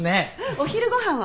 お昼ご飯は？